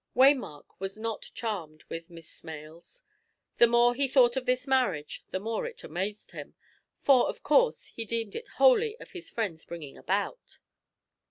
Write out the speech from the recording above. Waymark was not charmed with Miss Smales; the more he thought of this marriage, the more it amazed him; for, of course, he deemed it wholly of his friend's bringing about.